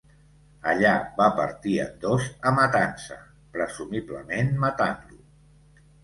Allà va partir en dos a Matança, presumiblement matant-lo.